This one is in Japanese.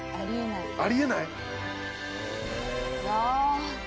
あり得ない。